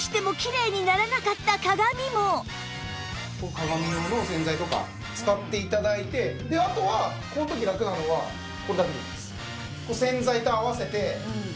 鏡用の洗剤とか使って頂いてあとはこの時ラクなのはこれだけでいいんです。